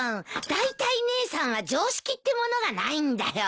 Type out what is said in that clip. だいたい姉さんは常識ってものがないんだよ。